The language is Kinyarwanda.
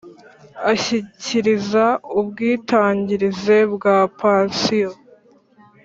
Ashyikiriza ubwiteganyirize bwa pansiyo